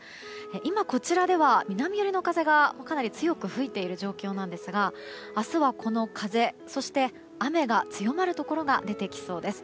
今こちらでは南寄りの風がかなり強く吹いている状況ですが明日はこの風、そして雨が強まるところが出てきそうです。